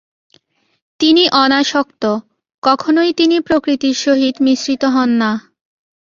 তিনি অনাসক্ত, কখনই তিনি প্রকৃতির সহিত মিশ্রিত হন না।